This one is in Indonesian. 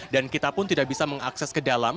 dan kita pun tidak bisa mengakses ke dalam